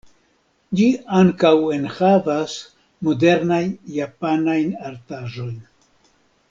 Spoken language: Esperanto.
Ĝi ankaŭ enhavas modernajn japanajn artaĵojn.